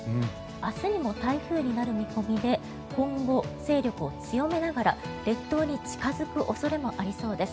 明日にも台風になる見込みで今後、勢力を強めながら列島に近づく恐れもありそうです。